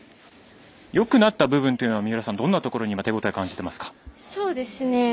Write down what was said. よくなった部分というのは三浦さんはどの部分に手応え、感じていますか。